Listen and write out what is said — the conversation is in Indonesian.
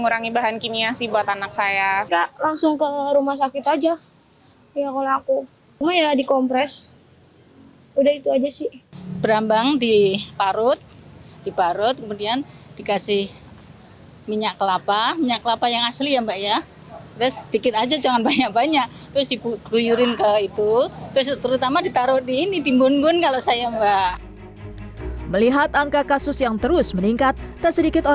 bagaimana cara orang tua untuk menangani anak yang sehat dan berusaha mencari obat sirop